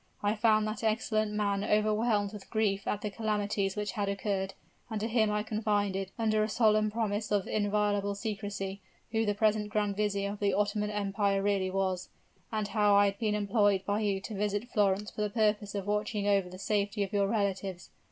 I found that excellent man overwhelmed with grief at the calamities which had occurred; and to him I confided, under a solemn promise of inviolable secrecy, who the present grand vizier of the Ottoman Empire really was, and how I had been employed by you to visit Florence for the purpose of watching over the safety of your relatives.